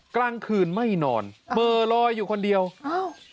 กลางคืนไม่นอนเมอลอยอยู่คนเดียวอ้าว